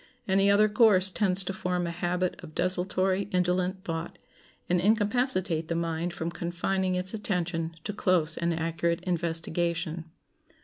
Any other course tends to form a habit of desultory, indolent thought, and incapacitate the mind from confining its attention to close and accurate investigation.